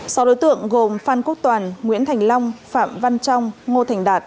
sau đối tượng gồm phan quốc toàn nguyễn thành long phạm văn trong ngô thành đạt